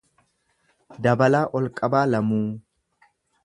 Dabalaa Olqabaa Lamuu